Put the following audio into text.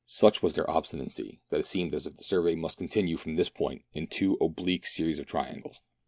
Such was their obstinacy that it seemed as if the survey must continue from this point in two oblique series of triangles.